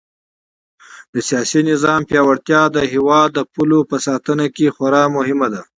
د سیاسي نظام پیاوړتیا د هېواد د پولو په ساتنه کې خورا مهمه ده.